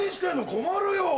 困るよ！